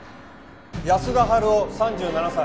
安田晴男３７歳。